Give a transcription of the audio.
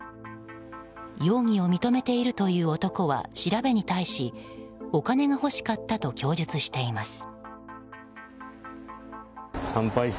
容疑を認めているという男は調べに対しお金が欲しかったと供述しています。